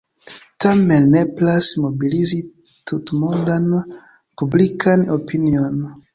Tamen nepras mobilizi tutmondan publikan opinion.